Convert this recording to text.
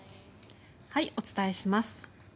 お伝えします。